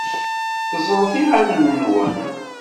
Ẓẓlet iɣallen-nwen.